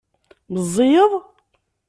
Meẓẓiyeḍ?